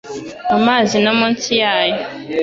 mu mazi no munsi yayo